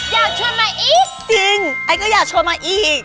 อยากชวนมาอีสจริงไอ้ก็อยากชวนมาอีก